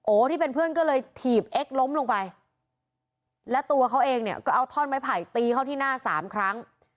ที่เป็นเพื่อนก็เลยถีบเอ็กซล้มลงไปและตัวเขาเองเนี่ยก็เอาท่อนไม้ไผ่ตีเข้าที่หน้าสามครั้ง